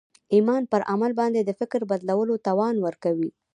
ایمان پر عمل باندې د فکر بدلولو توان ورکوي